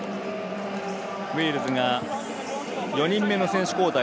ウェールズが４人目の選手交代。